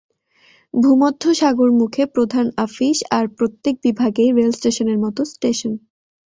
ভূমধ্যসাগরমুখে প্রধান আফিস, আর প্রত্যেক বিভাগেই রেল ষ্টেশনের মত ষ্টেশন।